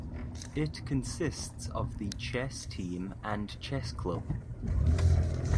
It consists of the Chess Team and Chess Club.